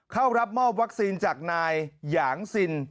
เข้ารับมอบวัคซีนจากนายหยางซิน